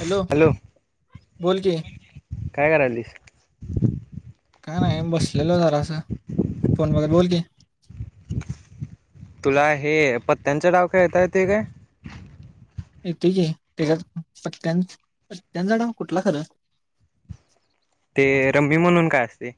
Hello बोल कि काय करायलीस काय नाही बसलेलो जरास. फोन बघत बोल की. तुला हे पत्त्यांचा डाव खेळता येते काय? येतोय कि. तिघात पत्याचा डाव कुठला खरं? ते रमी म्हणून काय असतय?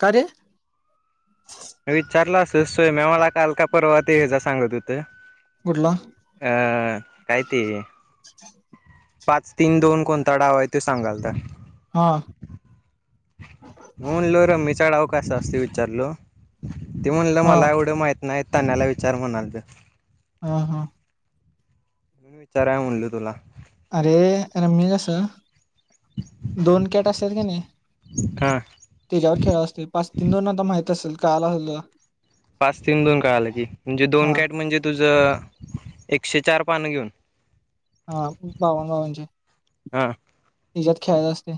का रे? विचारला असस सोयम्या मला काल का परवा ते हेजा सांगत होत. कुठला अ काय ते. पाच तीन दोन कोणता डाव आहे ते सांगालता. हां. म्हणून म्हणलो रमिचा डाव कसा असतोय विचारलो? ते म्हणलं हा मला एवढं माहीत नाही. तण्याला विचार म्हणालत. ह. हं. मी विचाराय म्हणलो तुला. अरे रमी कस दोन कॅट असतात की नी. हा. त्याच्यावर खेळायचा असतोय पाच तीन दोन आता माहित असेल कळाय लागलं. पाच तीन दोन काळाला की. म्हणजे दोन हा काॅट म्हणजे तुझ ज एकशे चार पानं घेऊन? हा पु बावन्न पानाचे. ह. हिच्यात खेळायला असते.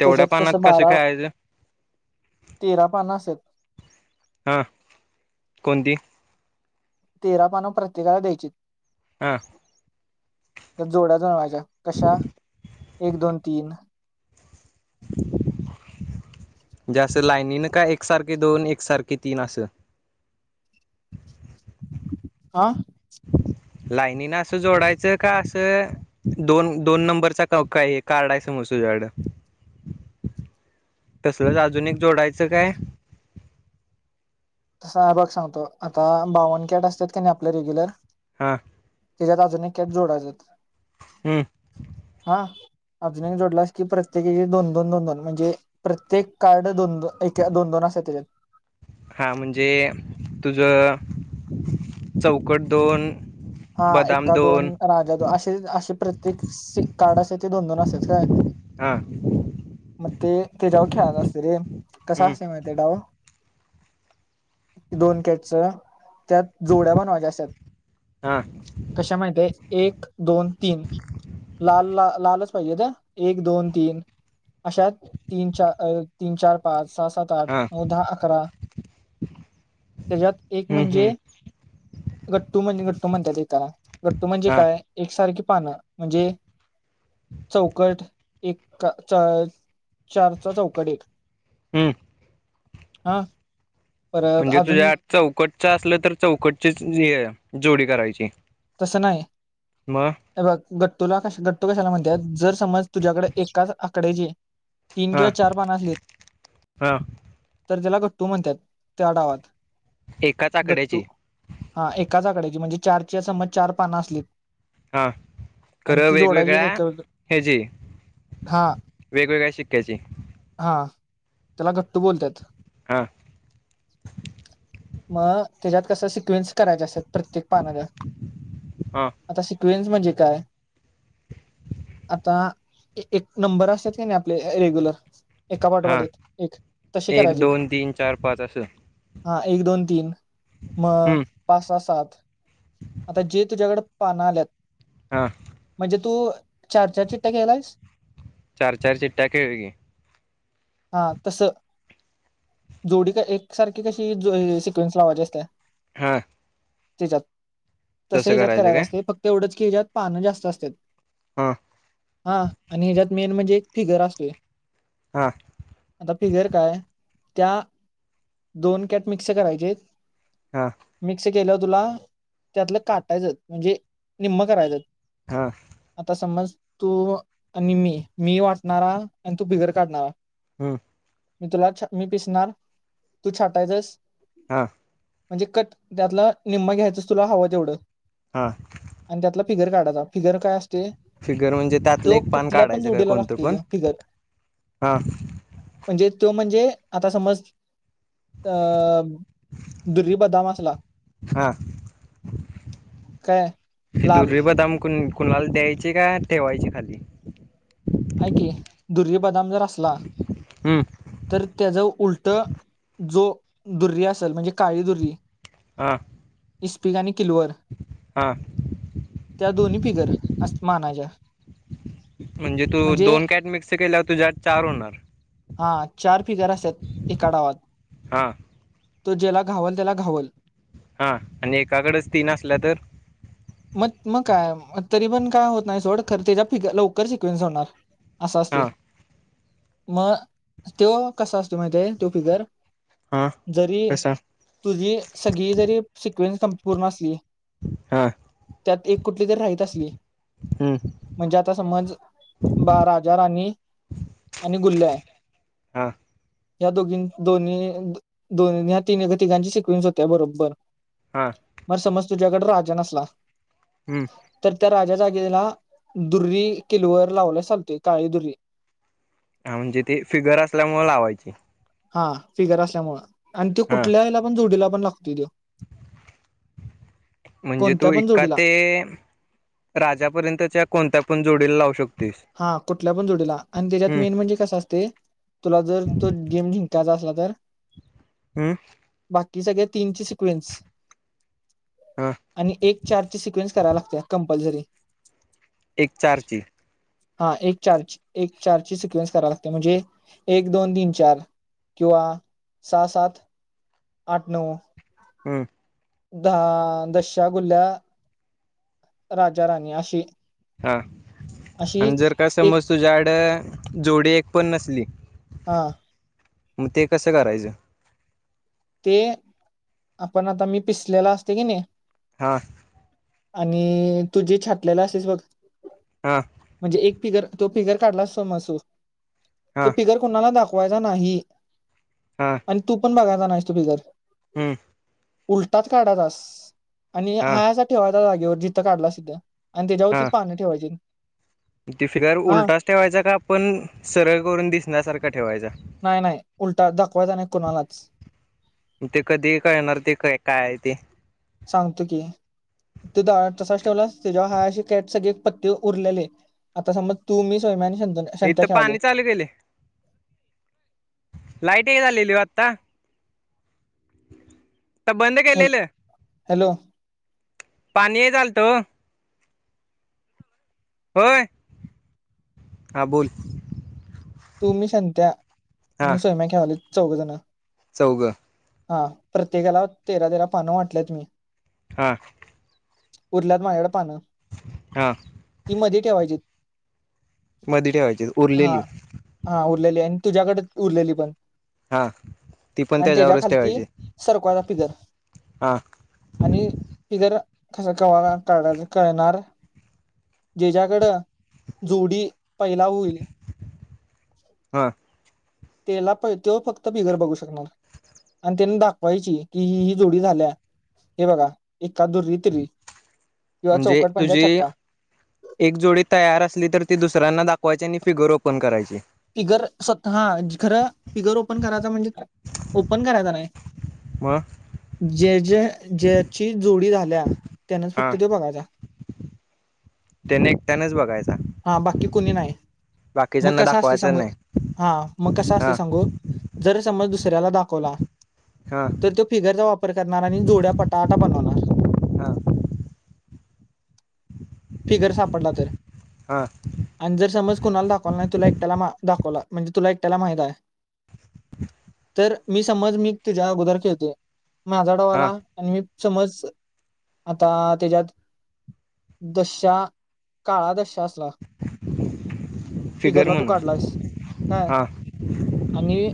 तेवढ्या त्याच्यात पानात कसं बारा, खेळायचं तेरा पानं असतात. हा, कोणती? तेरा पानं प्रत्येकाला द्यायचेत. हा. त्यात जोड्या जुळवायच्या, कशा? एक, दोन, तीन. [unintelligible] म्हणजे असं लाईनीनं का एकसारखे दोनब् एकसारखे तीन असं? [unintelligible] हा [inaudible] लाईनीनं असं जोडायचं का असं, दोन दोन नंबरचा क काय कार्ड हाय समज तुझ्याकडं, तसलंच अजून एक जोडायचं काय? तसा बघ सांगतो, आता बावन कॅट असतात का नाही आपले रेग्युलर हा. त्याच्यात अजून एक कॅट जोडायचेत. हम्म अजून एक जोडलास कि प्रत्येकी दोन दोन दोन दोन म्हणजे, प्रत्येक कार्ड दोन एक दोन दोन असत्यात त्याच्यात. हा म्हणजे, तुझं चौकट दोन हा, एका दोन का दो राज्या असे असे प्रत्येक सी कार्ड असतेत ते दोन दोन असतात काय. हा. मग ते त्याच्यावर खेळायचं असतंय रे, कसा हम्म असते माहिती डाव? दोन कॅटचं त्यात जोड्या बनवायच्या असतात. हां कशा माहित आहे. एक, दोन, तीन लाल ला लालच - पाहिजे हा. एक, दोन, तीन अश्या तीन, चार, तीन, चार, पाच. सहा, सात, आठ, हां नऊ, दहा, अकरा. त्याज्यात एक हम्म म्हणजे हम्म गट्टू म्हणजे गट- टु म्हणतात. ते त्याला गट्टू म्हणजे हां काय? एकसारखी पानं म्हणजे. चौकट एक चा चारचा चौकट एक. हं! हा. परत म्हणजे तुझ्या अजून आ चौकटचं असलं तर चौकटची जोडी करायची? तसे नाही ए मग हे बघ. तुला क गट्टू कशाला म्हणतात? जर समज तुझ्याकडे एकाच आकड्याची. तीन हां किंवा चार पान असलेत हां तर त्याला गट्टू म्हणतात. त्या डावात. एकाच गट्टू आकड्याची हा एकाच आकड्याची म्हणजे चारच्या समज चार पानं असले. हा खरं वेगवेगळ्या एक ह्याची. हा वेगवेगळ्या शिक्याची. हा त्याला गट्टू बोलतात. हा. मग त्याच्यात कसं सिक्वेन्स करायच्या असेतत. प्रत्येक पानाला हां आता सिक्वेन्स म्हणजे काय? आता एक नंबर असतात. का नाही आपले रेग्युलर - एका हां पाठोपाठीत एक तशी एक करायची. दोन तीन चार पाच असं एक, दोन, तीन मग हं, पाच, सहा, सात, आता जे तुझ्याकडे पान आलेत हां म्हणजे तू - चार, चार, चिट्ट्या घ्यायलास? चार चार चिट्ट्या खेळ की हा तस जोडी का एकसारखी कशी? एक जोळीने सिक्वेन्स लावायची असत्या. हा. त्याच्यात तस ह्याच्यात करायचं काय असते फक्त एवढंच की ह्याच्यात पानं जास्त असतात. हा. हा आणि ह्याच्यात मेन म्हणजे एक फिगर असतोय. हा. आता फिगर काय त्या दोन कॅट मिक्स करायचे. हा. गेलं तुला त्यातलं काटायचं म्हणजे निम्म करायचं. हां आता समज तू आणि मी मी वाटणारा आणि तू बिगर काढणारा. हम्म. मी तुलाछ मी छपणी पिसणार तू छाटायचस. हा. म्हणजे कट त्यातला निम्मा घ्यायचंच तुला हवं तेवढ. हा. फिगर काढाचा फिगर काय अस फिगर म्हणजे त्यातलं एक पान पण काढायचं काय जोडीला कोणतं लागतोय पण. तो फिगर हा. म्हणजे तो म्हणजे आता समज. अं दुर्री बदाम असला. हां काय ती लाल. दुर्री बदाम कुण कुणाला द्यायचे का ठेवायचे खाली. ऐकी दुर्य बदाम जर असला. हं, तर त्याचा उलट जो दुरी असेल म्हणजे काळी दुरी. हा. इस्पिक आणि किलवर. त्या दोन्ही फिगर अस मानायच्या. म्हणजे तू म्हणजे दोन कॅट मिक्स केल्यावर तुझ्यात चार होणार. हा चार फिगरस आहेत एका डावात. हां तो ज्याला घावाल त्याला घावल. हा आणि एकाकडेच तीन असल्या तर. मग मग काय तरी पण काय होत नाही सोड खर त्याच्या फ लवकर सिक्वेन्स होणार असं असते हां मग तो कसा असत माहि तो फिगर हां जरी कसा तुझी सगळी जरी सिक्वेन्स पूर्ण असली हा त्यात एक कुठली तरी राहत असली हं, म्हणजे आता समज राजा राणी आणि गुल्ल आहे हा या दोघी दोन्ही दोन ह्या तीन तिकांची सिक्वेन्स होत्या बरोबर हा मग समज तुझ्याकडे राजा नसला हं, तर त्या राजाचा ला दुर्री किलवर लावला चालते काळी दु्री हा म्हणजे ती फिगर असल्यामुळे लावायची हा फिगर असल्यामुळे आणि त हा कुठल्या वला पण जोडीला पण लागतोय दे [unintelligible] म्हणजे कोणत्या तू पण इका जोडीला ते राजापर्यंतच्या कोणत्या आपणोडीला लावू शतो हा कुठल्या पण जोडीला आणि त्याच्यात मेन म्हणजे कस असते तुला जर तो गेम जिंकायचा असला तर हमम बाकी सगळे तीनचे सिक्वेन्स हा आणि एक चार ची सिक्वेन्स कराला लागते कंपल्सरी एक चारतील हा एक चार एक चार ची सिक्वेन्स कराव लागते म्हणजे एक दोन तीन चार किंवा सहा सात आठ नऊ हम्म दहा दशश्या गुल्या राजा राणी अशी हा अशी आणि जर का एक समज तुझ्या आड जोडी एक पण नसली हा मग ते कसं करायचं ते आपण आता मी पिसलेला असते की नाही हा आणि तुझे छाटलेला असेस बघा हा म्हणजे एक पिगर तो फिगर काढला समजू तो हा फिगर कुणाला दाखवायचा नाही हा आणि तू पण बघायचा नास तू फिगर हम्म उलटात काढाातस आणि हा हाया अस ठेवायचाच जागेवर जिथं काढला सिध्या तेच्याव ती पान्ह ठेवायची तिफिगर हा उलटाच ठेवायचा का पण सरळ करून दिसण्यासारख नाही नाही उलटा दाखवायचा नाही कुणालाच ते कधी कळणार ते का काय आहे ते तिथ आठ ठेवलास. संंत इथं खेवले पाणी चालू केले लाईट हे झालेली ओ आता बंद हॅल- केलेलं हॅलो पाणी चालत हो होय आ बोल तु मी संत्या आणि सोम्या खेळायलो चौघं जण चौघं हा प्रत्येकाला तेरा तेरा पानं वाटलेत मी हा उरल्यात माझ्याकड पानं हा ती मध्ये ठेवायची. मध्ये ठेवायची उरलेली हा हा उरलेली आणि तुझ्याकडे उरलेली पण हा ती पण आणि त्याच्या त्याच्यावरच खालती ठेवायची सरकवाचा फिगर हा आणि फिगर कस कवा काढायचं कळणार जिच्याकडं जोडी पहिला होईल. हा त्याला प तो फक्त बिघर बघू शकणार हाय आणि त्याने दाखवायची कि ही ही जोडी झाल्या. हे बघा एक्का दुर्री तीर्री म्हणजे तुझी एक जोडी तयार असली तर ती दुसऱ्यांना दाखवायची आणि फिगर ओपन करायची. फिगर स्वतः खरं फिगर ओपन करायचा म्हणजे ओपन करायचा नाही. म ज्या ज ज्याची जोडी झाल्या त्यानच हा फक्त तो बघायचा. त्याने एकट्यानेच बघायचा हा बाकी कोणी नाही मग बाकीच्यांना कसं दाखवा असते हा मग कस असते सांगू जर समज दुसऱ्याला दाखवला हा तर तो फिगरचा वापर करणार आणि जोड्या पटाटा बनवणार. [inaudible] फिगर सापडला तर हा आणि जर समज कुणाला दाखवला नाही तुला एक दाखवला म्हणजे तुला एकट्याला माहित आहे. तर मी समज मी तुझ्या अगोदर खेळते माझा डाव हा आणि मी समज आता त्याच्यात दशा काळा दशा असला. [inaudible] फिगरला तू म्हणून काढलायस काय? हा आणि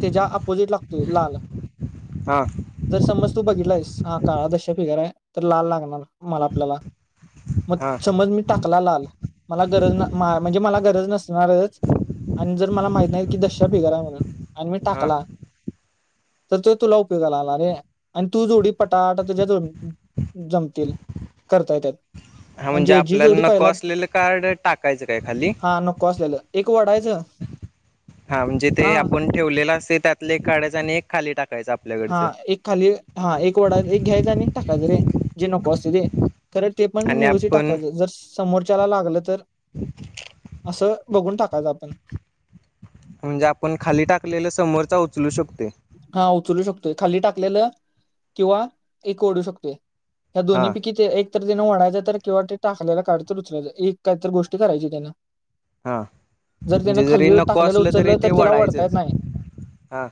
त्याच्या अपोजिट लागतोय लाल हा जर समज तू बघितला आहेस हा काळा दशा फिगर आहे तर लाल लागणार मला आपल्याला मग हा समज मी टाकला लाल मला गरज ना म्हणजे मला गरज नसते. अन मला जर माहित नाय की दशा फिगर हाय म्हणून आणि मी हा टाकला तर तो तुला उप लाला रे आणि तू जोडी पटापटा तुज्या ज जमतील. करता येतात. हा म्हणजे जी आपल्याला जोडी नको पाहिलात असलेलं कार्ड टाकायचं काय खाली हा नको असलेलं एक वडा त हा म्हणजे ते आपण ठेवलेलं असते त्यातले काड्याच आणि एक खाली टाक हा एक खाली हा एक वडा एक घ्यायचा आणि टाकायचं रे जे नको असते ते खरं ते पण आणि व्यवस्थित आपण टाकायचं जर समोरच्याला लागलं तर असं बघून टाकाच आपण म्हणजे आपण खाली टाकलेला समोरचा उचलू शकते हा उचलू शकतोय खाली टाकलेलं किंवा एक ओढू शकतोय. ह्या हा दोन्हीैकी ते एक तर एक जण वढायच तर किंवा ते टाकलेला काढ तर एक काहीत गोष्टी करायची त्यानं हा जर म्हणजे त्याने जरी खाली नको टाकलेला उचललं तर त्याला वढता येत नाय. हां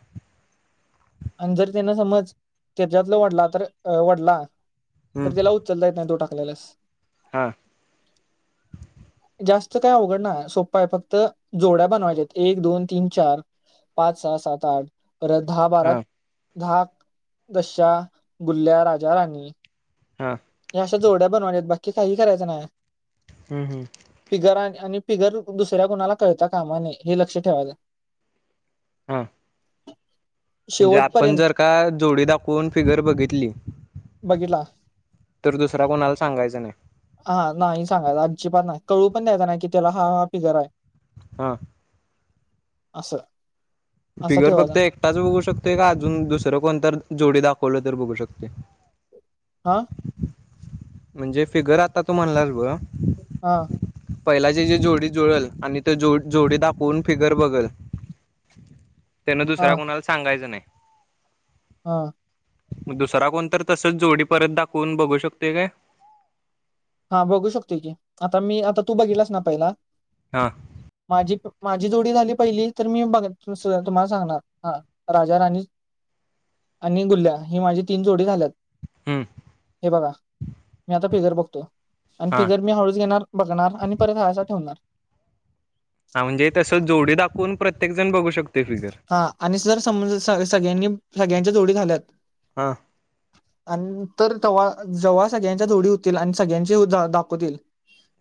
आणि जर त्यांना समज त्याच्यातला वडला तर वडला - तर त्याला उचलता येत नाही. तो टाकलेलास - हां. जास्त काय अवघड नाही. सोप्पा आहे फक्त जोड्या बनवायच्या एक. दोन. तीन. चार - पाच. सहा. सात. आठ. परत दहा. बारा. हा दहा. दशा गुल्ल्या राजा राणी! हा. या अशा जोड्या बनवाच्या हाईत बाकी काही करायचं नाही. हम्म- हम्म. आणि फिगर दुसऱ्या कुणाला कळता कामा नये हे लक्ष ठेवायचं. हा. म्हणजे आपण शेवटपर्यंत जर का जोडी दाखवून फिगर बघितली. बघितला तर दुसरा कोणाला सांगायचं नाही. हा नाही सांगायच. आजिबात पण नाही. कळू पण द्यायचा नाही कि त्याला हा-हा फिगर आहे. हां. असं. असं फिगर फक्त ठेवायचा एकटाच बघू शकतोय का अजून दुसरं कोणत जोडी दाखवत. खोल्ल तर बघू शकते. हा म्हणजे फिगर आता तू म्हणलास ब! हां पहिलाची जी जोडी जुळल आणि ती जोडी दाखवून फिगर बघल. त्यानं हा दुसरा कोणाला सांगायचं नाही हा मग दुसरा कोणत तसच जोडी परत दाखवून बघू शकते काय हा बघू शकते की आता मी आता तू बघलास ना पहिला हा माझी माझी जोडी झाली पहिली तर मी बघ तुम्हाला सांगणार हा राजा राणी आणि गुल्ल्या ही माझी तीन जोडी झाल्यात हम्म हे बघा मी आता फिगर बघतो आणि हा फिगर मी हळूच घेणार बघणार आणि परत हायचा ठेवणार हा म्हणजे तसं जोडी दाखवून प्रत्येक जण बघू शकतो हा आणि जर समज सगळ्यांनी सगळ्यांच्या जोडी झाल्यात हा आणि तर तेव्हा जेव्हा सगळ्यांच्या जोडी होतील आणि सगळ्यांचे दाखवतील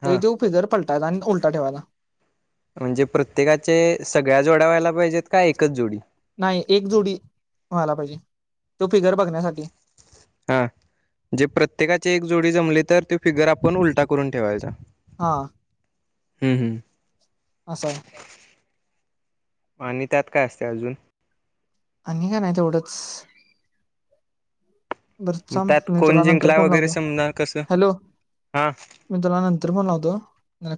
ते हा ते फिगर पल आणि उलटा ठेवायला म्हणजे प्रत्येकाचे सगळ्या जोड्या व्हायला पाहिजेत का एकच जोडी नाही एक जोडी व्हाला पाहिजे तो फिगर बघण्यासाठी हा जे प्रत्येकाचे जोडी जमली तर ती फिगर आपण उलटा करून ठेवायचा हा हम्म. हम्म. अस हाय. आणि त्यात काय असतय अजून. आणि काय नाही तेवढंच. बरं चल त्यात मी कोण तुला नंतर जिंकला फोन वगैरे लावतो. समजा कसं हॅलो. हा चाल मी तुला नंतर फोन लावतो हा.